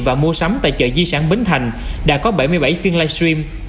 và mua sắm tại chợ di sản bến thành đã có bảy mươi bảy phiên live stream